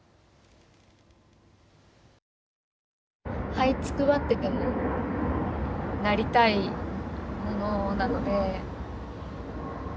はいつくばってでもなりたいものなので。